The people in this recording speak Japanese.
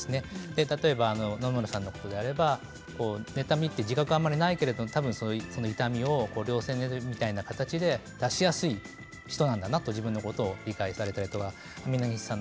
例えば野々村さんのことであれば妬みという自覚がないけれど痛みを良性妬みみたいな形で出しやすい人なんだなと自分のことを理解するといいと思います。